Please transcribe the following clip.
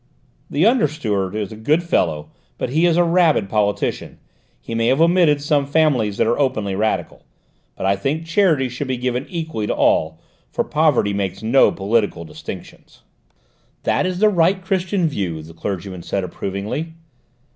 "The under steward is a good fellow, but he is a rabid politician; he may have omitted some families that are openly radical; but I think charity should be given equally to all, for poverty makes no political distinctions." "That is the right Christian view," the clergyman said approvingly.